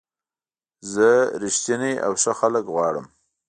زه رښتیني او ښه خلک غواړم.